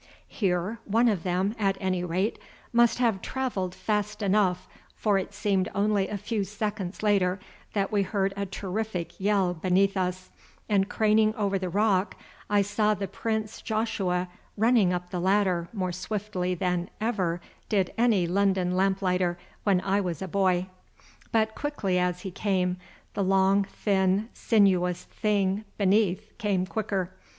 Here one of them, at any rate, must have travelled fast enough, for it seemed only a few seconds later that we heard a terrific yell beneath us, and craning over the rock I saw the Prince Joshua running up the ladder more swiftly than ever did any London lamplighter when I was a boy. But quickly as he came, the long, thin, sinuous thing beneath came quicker.